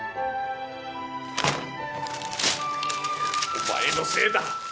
お前のせいだ！